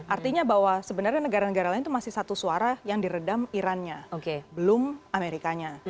artinya bahwa sebenarnya negara negara lain itu masih satu suara yang diredam irannya belum amerikanya